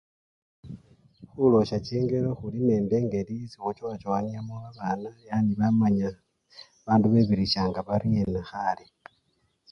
Khulosya chingelo khuli nende engeli esi khuchowachowanya babana yani bamanya bandu bebirisyanga baryena khale.